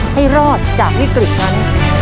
ให้รอดจากวิกฤตนั้น